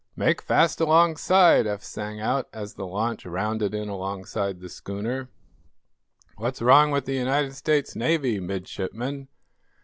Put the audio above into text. "Make fast alongside!" Eph sang out, as the launch rounded in alongside the schooner. "What's wrong with the United States Navy, Midshipman?"